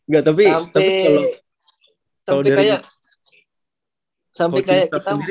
gak tapi tapi kalo dari coaching staff sendiri gimana